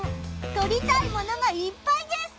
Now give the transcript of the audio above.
撮りたいものがいっぱいです！